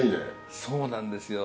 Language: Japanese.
そうなんですよ。